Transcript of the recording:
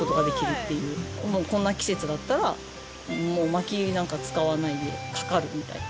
こんな季節だったらもう薪なんか使わないでかかるみたいな。